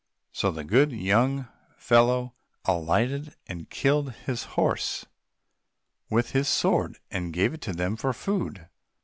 So the good young fellow alighted and killed his horse with his sword, and gave it to them for food.